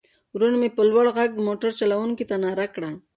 ورور مې په لوړ غږ د موټر چلوونکي ته ناره کړه.